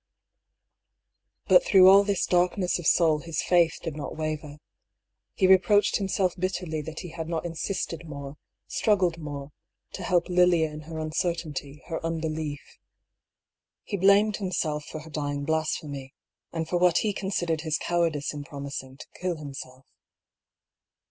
But through all this darkness of soul his faith did not waver. He reproached himself bitterly that he had not insisted more, struggled more, to help Lilia in her un certainty, her unbelief. He blamed himself for her dying blasphemy, and for what he considered his cow ardice in promising to kill himself.